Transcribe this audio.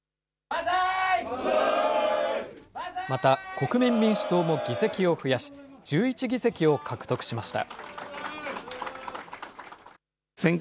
国民民主党も議席を増やし、１１議席を獲得しました。